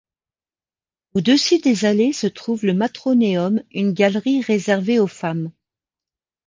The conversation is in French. Au-dessus des allées se trouve le Matroneum, une galerie réservée aux femmes.